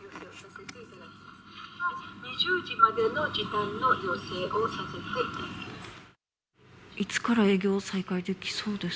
２０時までの時短の要請をさせていただきます。